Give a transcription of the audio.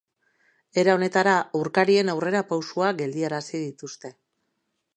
Era honetara aurkarien aurrera pausoak geldiarazi dituzte.